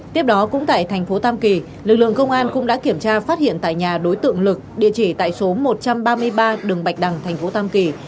tiếp đó cũng tại thành phố tam kỳ lực lượng công an cũng đã kiểm tra phát hiện tại nhà đối tượng lực địa chỉ tại số một trăm ba mươi ba đường bạch đằng tp tam kỳ